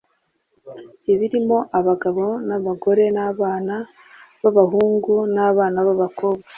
Ibirimo abagabo abagore na abana b abahungu na abana b abakobwa